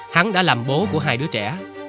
hắn đã làm bố của hai đứa trẻ